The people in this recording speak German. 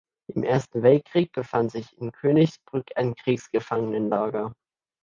Im Ersten Weltkrieg befand sich in Königsbrück ein Kriegsgefangenenlager.